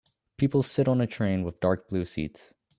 People sit on a train with dark blue seats